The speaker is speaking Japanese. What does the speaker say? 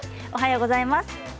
おはようございます。